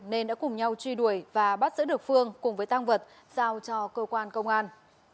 nên đã cùng nhau truy đuổi và bắt giữ được phương cùng với tăng vật giao cho cơ quan công an